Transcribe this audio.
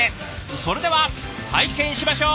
それでは拝見しましょう！